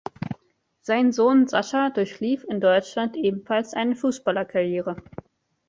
Sein Sohn Sascha durchlief in Deutschland ebenfalls eine Fußballerkarriere.